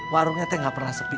warungnya teh nggak pernah sepi